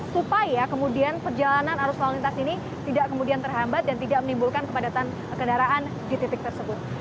supaya kemudian perjalanan arus lalu lintas ini tidak kemudian terhambat dan tidak menimbulkan kepadatan kendaraan di titik tersebut